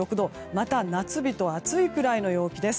また夏日と暑いくらいの陽気です。